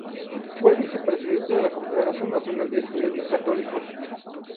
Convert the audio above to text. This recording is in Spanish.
Fue vicepresidente de la Confederación Nacional de Estudiantes Católicos.